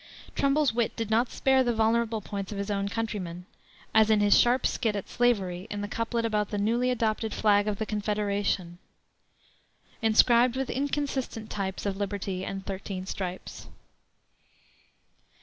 Trumbull's wit did not spare the vulnerable points of his own countrymen, as in his sharp skit at slavery in the couplet about the newly adopted flag of the Confederation: "Inscribed with inconsistent types Of Liberty and thirteen stripes."